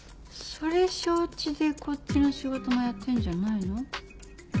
それ承知でこっちの仕事もやってんじゃないの？